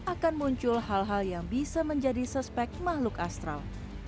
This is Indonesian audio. akan muncul hal hal yang bisa menjadi suspek makhluk astral